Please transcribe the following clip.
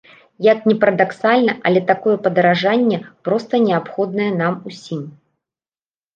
Як ні парадаксальна, але такое падаражанне проста неабходнае нам усім!